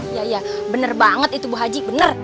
iya ya bener banget itu bu haji bener